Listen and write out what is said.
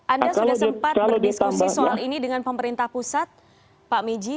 anda sudah sempat berdiskusi soal ini dengan pemerintah pusat pak miji